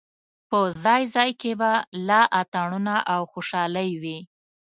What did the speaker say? په ځای ځای کې به لا اتڼونه او خوشالۍ وې.